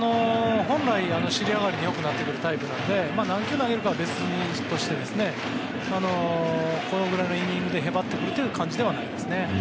本来、尻上がりに良くなってくるタイプなので何球投げるかは別としてこのぐらいのイニングでへばってくる感じではないですね。